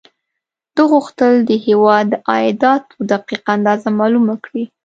ده غوښتل د هېواد د عایداتو دقیق اندازه معلومه کړي.